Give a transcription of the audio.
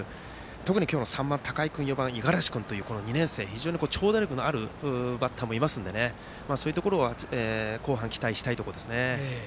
特に今日の３番、高尾君や４番、五十嵐君とこの２年生、非常に長打力のあるバッターもいますのでそういうところは後半、期待したいですね。